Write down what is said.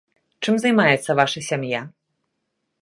Чым займаецца ваша сям'я?